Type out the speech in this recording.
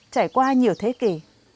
trải qua nhiều thế kỷ